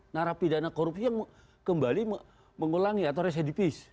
narapidana korupsi yang kembali mengulangi atau resedi peace